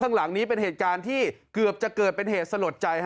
ข้างหลังนี้เป็นเหตุการณ์ที่เกือบจะเกิดเป็นเหตุสลดใจ